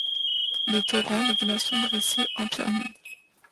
Les torrents, les glaçons dressés en pyramides